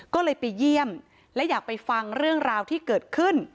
ก็เลยไปเยี่ยมและอยากไปฟังเรื่องราวที่เกิดขึ้น